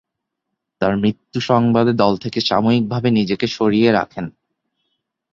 তার মৃত্যু সংবাদে দল থেকে সাময়িকভাবে নিজেকে সরিয়ে রাখেন।